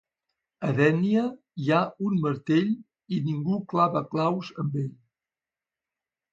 A Dénia hi ha un martell i ningú clava claus amb ell.